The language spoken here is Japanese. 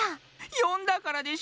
よんだからでしょ！